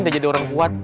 dia jadi orang kuat